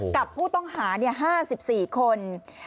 กับผู้ต้องหา๕๔คน